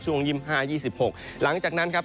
๒๕๒๖หลังจากนั้นครับ